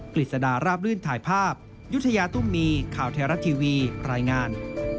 กฤษดาราบลื่นถ่ายภาพยุธยาตุ้มมีข่าวไทยรัฐทีวีรายงาน